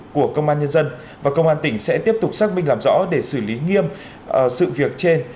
của công an nhân dân và công an tỉnh sẽ tiếp tục xác minh làm rõ để xử lý nghiêm sự việc trên